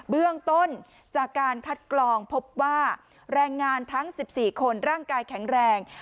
เบื้องต้นจากการคัดกรองพบว่าแรงงานทั้ง๑๔คนร่างกายแข็งแรง